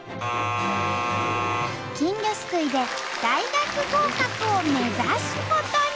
金魚すくいで大学合格を目指すことに！